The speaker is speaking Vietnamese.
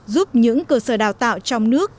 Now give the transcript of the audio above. giúp những cơ sở đào tạo trong nước